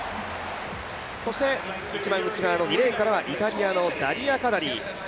そして一番内側の２レーンからはイタリアのダリア・カダリ。